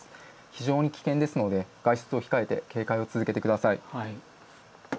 非常に危険ですので外出を控えて警戒を続けてください。